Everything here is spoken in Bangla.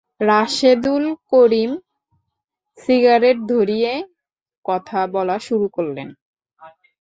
রাশেদুল করিম সিগারেট ধরিয়েই কথা বলা শুরু করলেন।